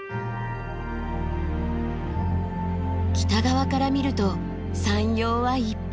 北側から見ると山容は一変。